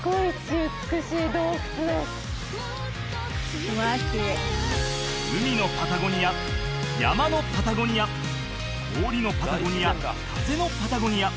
うわ海のパタゴニア山のパタゴニア氷のパタゴニア風のパタゴニア